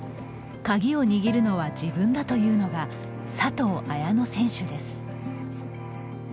「鍵を握るのは自分」だと言うのが佐藤綾乃選手です。